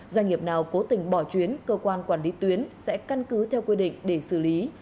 doanh nghiệp nào cố tình bỏ chuyến cơ quan quản lý tuyến sẽ căn cứ theo quy định để xử lý